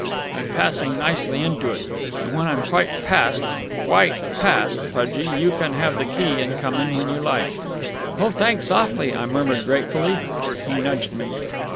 I'm passing nicely into it; and when I'm quite passed quite passed, Pudgie you can have the key and come in when you like." "Oh, thanks awfully," I murmured gratefully. He nudged me.